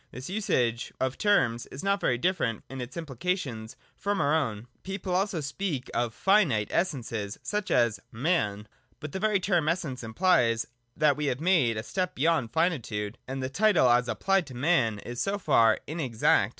This usage of the term is not very different in its implication from our own. People also speak oi Jinite Essences, such as man. But the very term Essence implies that we have made a step beyond finitude : and the title as applied to man is so far in exact.